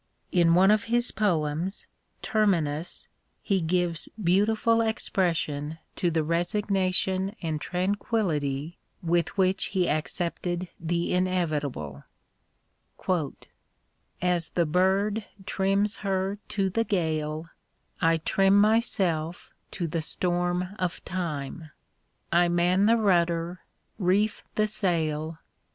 In one of his poems, " Ter minus," he gives beautiful expression to the EMERSON 151 resignation and tranquillity with which he accepted the inevitable : As the bird trims her to the gale, I trim myself to the storm of time, I man the rudder, reef the sail.